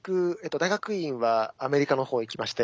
大学院はアメリカの方行きまして。